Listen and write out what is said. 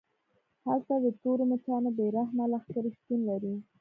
هلته د تورو مچانو بې رحمه لښکرې شتون لري